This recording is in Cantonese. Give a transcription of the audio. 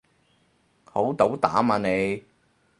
好斗膽啊你